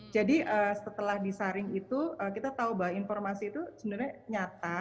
jadi setelah disaring itu kita tahu bahwa informasi itu sebenarnya nyata benar atau hoax